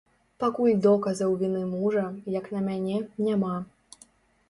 Пакуль доказаў віны мужа, як на мяне, няма.